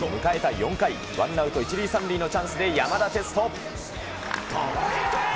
４回、ワンアウト１塁３塁のチャンスで山田哲人。